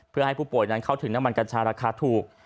เพื่อให้ผู้ป่วยนั้นเข้าถึงน้ำมันกัญชาราคาถูก